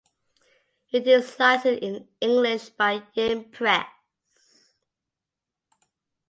It is licensed in English by Yen Press.